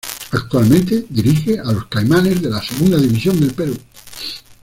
Actualmente dirige a Los Caimanes de la Segunda División del Perú.